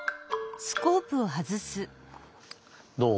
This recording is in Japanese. どう？